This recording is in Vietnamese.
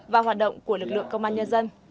và hoạt động của lực lượng công an nhân dân